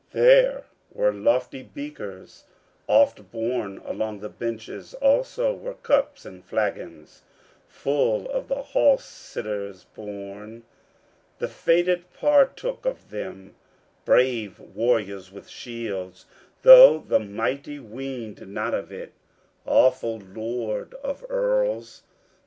There were lofty beakers Oft borne along the benches, also were cups and flagons Full to the hall sitters borne. The fated partook of them, Brave warriors with shields, though the mighty weened not of it, Awful lord of earls.